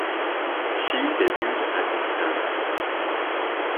She debuted at Escada.